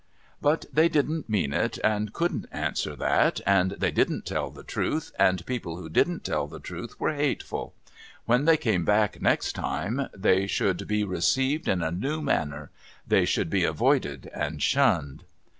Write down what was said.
But they didn't mean it, and couldn't answer that, and they didn't tell the truth, and people who didn't tell the truth were hateful, ^^'hen they came back next time, they should be received in a new manner; they should be avoided and shunned.